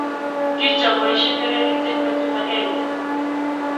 Kichop boisiek kererit eng petut akenge